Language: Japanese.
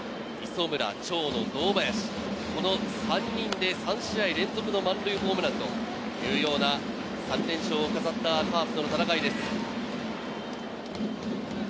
磯村、長野、堂林、この３人で３試合連続の満塁ホームランというような３連勝を飾ったカープの戦いです。